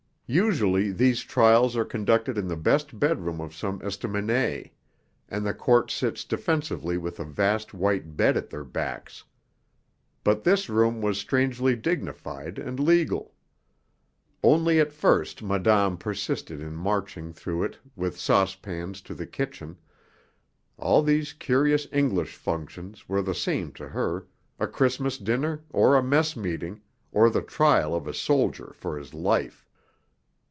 Usually these trials are conducted in the best bedroom of some estaminet, and the Court sits defensively with a vast white bed at their backs. But this room was strangely dignified and legal: only at first Madame persisted in marching through it with saucepans to the kitchen all these curious English functions were the same to her, a Christmas dinner, or a mess meeting, or the trial of a soldier for his life.